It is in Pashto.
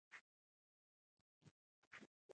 د کور جوړو ټوکریو او یادګاري څیزونو بازار و.